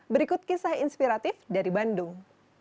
berikut kisah inspiratif dari bandung